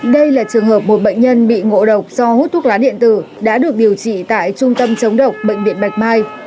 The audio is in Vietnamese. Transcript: đây là trường hợp một bệnh nhân bị ngộ độc do hút thuốc lá điện tử đã được điều trị tại trung tâm chống độc bệnh viện bạch mai